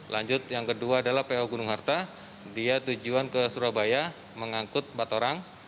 lanjut yang kedua adalah po gunung harta dia tujuan ke surabaya mengangkut empat orang